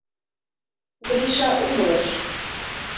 Гриша умылыш.